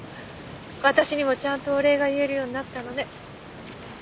私にもちゃんとお礼が言えるようになったのね。